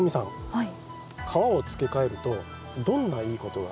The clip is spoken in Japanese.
はい。